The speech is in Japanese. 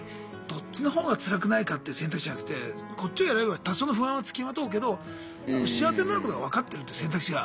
どっちのほうがつらくないかって選択肢じゃなくてこっちを選べば多少の不安は付きまとうけど幸せになることが分かってるって選択肢が。